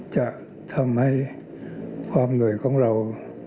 จะทำให้ความเหนื่อยของเรา